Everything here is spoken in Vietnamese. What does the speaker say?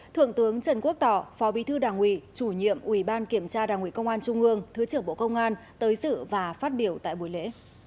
thượng tướng trần quốc tỏ phó bí thư đảng ủy chủ nhiệm ủy ban kiểm tra đảng ủy công an trung ương thứ trưởng bộ công an tới sự và phát biểu tại buổi lễ